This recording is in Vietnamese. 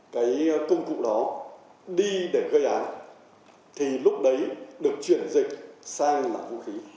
cái công cụ đó đi để gây án thì lúc đấy được chuyển dịch sang là vũ khí